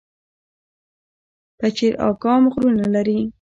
پچیر اګام غرونه لري؟